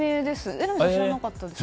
榎並さん、知らなかったですか。